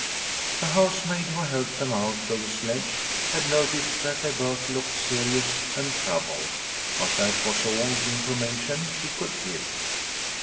The housemaid who helped them out of the sledge had noticed that they both looked serious and troubled, but that was all the information she could give.